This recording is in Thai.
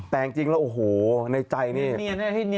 แต่จริงแล้วโอ้โหในใจนี่